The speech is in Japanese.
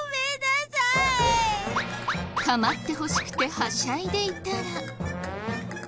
構ってほしくてはしゃいでいたら。